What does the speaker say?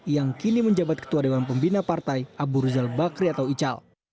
yang kini menjabat ketua dewan pembina partai abu ruzal bakri atau ical